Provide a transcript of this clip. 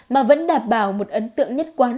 mà vẫn đảm bảo một ấn tượng nhất quán